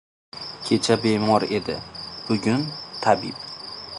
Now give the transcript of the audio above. • Kecha bemor edi, bugun — tabib.